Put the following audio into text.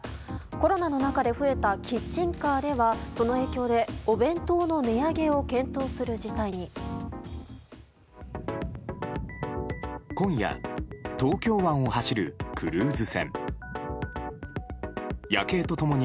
コロナの中で増えたキッチンカーではその影響でお弁当の値上げを検討する事態に。